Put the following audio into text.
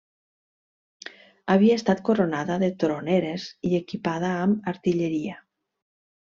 Havia estat coronada de troneres i equipada amb artilleria.